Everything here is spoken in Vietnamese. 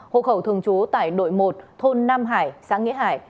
hộ khẩu thường trú tại đội một thôn nam hải xã nghĩa hải